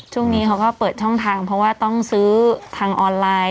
ช่วงนี้เขาก็เปิดช่องทางเพราะว่าต้องซื้อทางออนไลน์